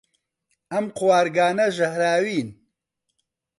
ئەم قوارگانە ژەهراوین.